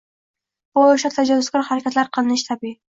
Bu yoshda tajovuzkor harakatlar qilinishi tabiiy